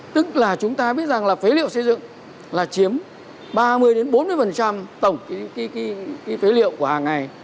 tức là chúng ta biết rằng là phế liệu xây dựng là chiếm ba mươi bốn mươi tổng phế liệu của hàng ngày